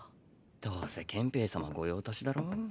どうせ憲兵様御用達だろ？